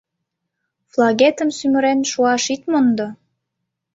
— Флагетым сӱмырен шуаш ит мондо!